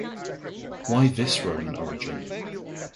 Why this Roman origin?